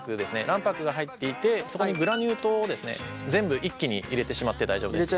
卵白が入っていてそこにグラニュー糖をですね全部一気に入れてしまって大丈夫です。